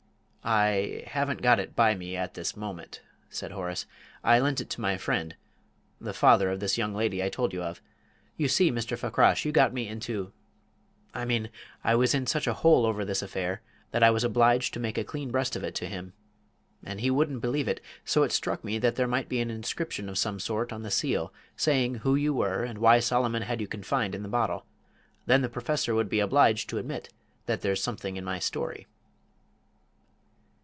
"I haven't got it by me at this moment," said Horace; "I lent it to my friend the father of this young lady I told you of. You see, Mr. Fakrash, you got me into I mean, I was in such a hole over this affair that I was obliged to make a clean breast of it to him. And he wouldn't believe it, so it struck me that there might be an inscription of some sort on the seal, saying who you were, and why Solomon had you confined in the bottle. Then the Professor would be obliged to admit that there's something in my story."